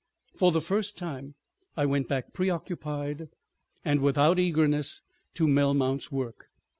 For the first time I went back preoccupied and without eagerness to Melmount's work.